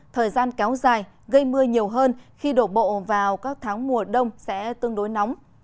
thời gian kéo dài gây mưa nhiều hơn khi đổ bộ vào các tháng mùa đông sẽ tương đối nóng